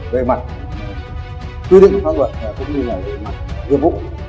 về mặt quy định phát luận cũng như là về mặt dư vụ